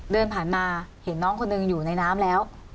เดินผ่านมาเห็นน้องคนหนึ่งอยู่ในน้ำแล้ว